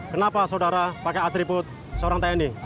kenapa saudara pakai atribut seorang tni